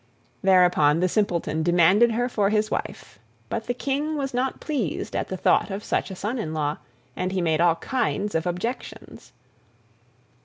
Thereupon the Simpleton demanded her for his wife, but the King was not pleased at the thought of such a son in law, and he made all kinds of objections.